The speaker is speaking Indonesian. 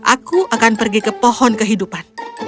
aku akan pergi ke pohon kehidupan